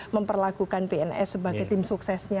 memperlakukan pns sebagai tim suksesnya